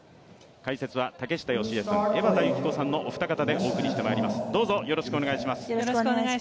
解説は竹下佳江さん、江畑幸子さんのお二方でお送りしてまいります。